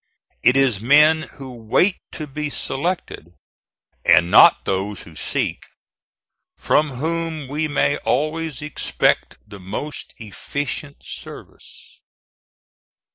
It is men who wait to be selected, and not those who seek, from whom we may always expect the most efficient service.